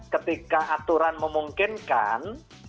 ketika aturan memungkinkan